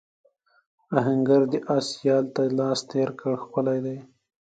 آهنګر د آس یال ته لاس تېر کړ ښکلی دی.